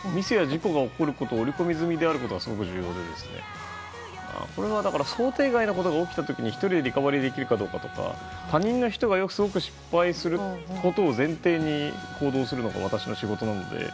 事故やミスが起きることが織り込み済みであることが重要でこれは想定外のことが起きた時リカバリーできるとか他人が失敗することを前提に行動するのが私の仕事なので。